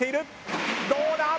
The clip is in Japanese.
どうだ？